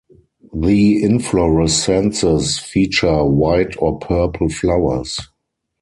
The inflorescences feature white or purple flowers.